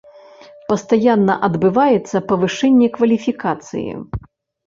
Пастаянна адбываецца павышэнне кваліфікацыі.